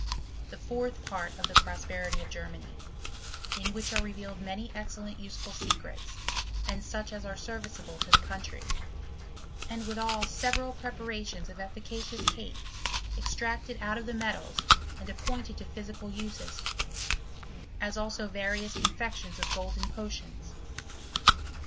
The fourth part of the Prosperity of Gennany ; in which are revealed many excellent, useful secrets, and such as are serviceable to the country ; and withal several preparations of efficacious cates extracted out of tiie metals and appointed to physical uses; as also various confections of golden potions.